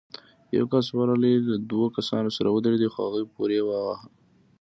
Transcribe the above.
يو کس ورغی، له دوو کسانو سره ودرېد، خو هغوی پورې واهه.